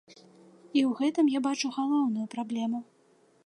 І ў гэтым я бачу галоўную праблему.